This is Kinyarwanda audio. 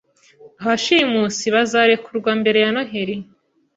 Abashimusi bazarekurwa mbere ya Noheri